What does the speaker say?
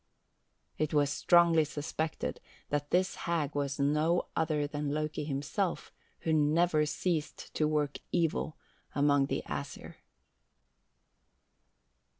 "It was strongly suspected that this hag was no other than Loki himself who never ceased to work evil among the Æsir."